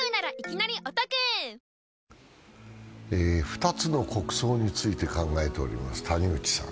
ふたつの国葬について考えております。